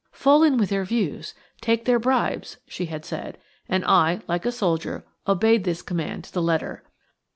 "Fall in with their views. Take their bribes," she had said, and I–like a soldier–obeyed this command to the letter.